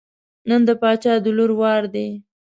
نن د باچا د لور وار دی.